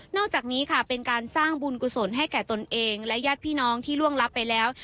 อกจากนี้ค่ะเป็นการสร้างบุญกุศลให้แก่ตนเองและญาติพี่น้องที่ล่วงลับไปแล้ว